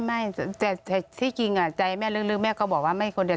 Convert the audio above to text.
ไม่แต่ที่จริงใจแม่ลึกแม่ก็บอกว่าไม่คนเดียว